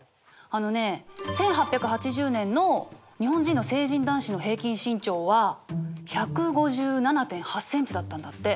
あのね１８８０年の日本人の成人男子の平均身長は１５７．８ｃｍだったんだって。